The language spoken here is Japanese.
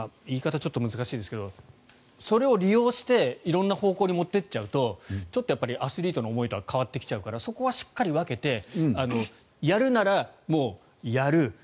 ちょっと難しいですがそれを利用して色んな方向に持っていっちゃうとちょっとアスリートの思いとは変わってきちゃうからそこはしっかり分けてやるなら、もうやる。